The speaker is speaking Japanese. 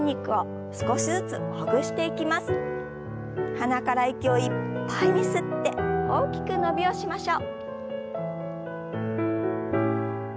鼻から息をいっぱいに吸って大きく伸びをしましょう。